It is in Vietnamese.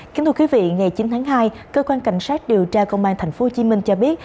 kính thưa quý vị ngày chín tháng hai cơ quan cảnh sát điều tra công an tp hcm cho biết